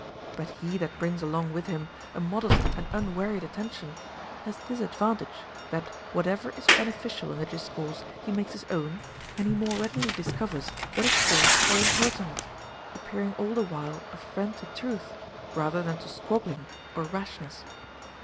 But he that brings along with him a modest and unwearied atten tion has this advantage, that whateΛ'er is beneficial in the discourse he makes his own, and he more readily discovers Avhat is false or impertinent, appearing all the while a friend to truth rather than to squabbling or rashness.